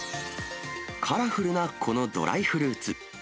カラフルなこのドライフルーツ。